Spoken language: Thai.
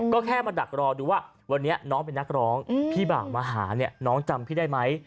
ก็แค่มาดักรอดูว่าวันนี้น้องเป็นนักร้องพี่บ่าวมาหาเนี่ยน้องจำพี่ได้ไหม